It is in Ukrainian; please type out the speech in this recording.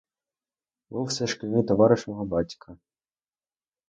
Був це шкільний товариш мого батька.